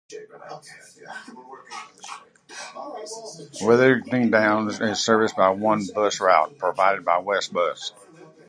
Werrington Downs is serviced by one bus route, provided by Westbus.